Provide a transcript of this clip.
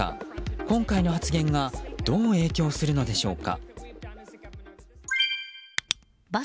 今回の発言がどう影響するのでしょうか。